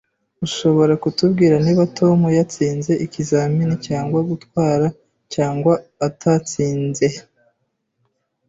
Ushobora kutubwira niba Tom yatsinze ikizamini cyo gutwara cyangwa atatsinze?